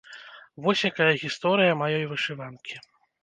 Вось якая гісторыя маёй вышыванкі!